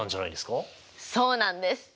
そうなんです！